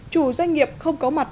chủ doanh nghiệp không có mặt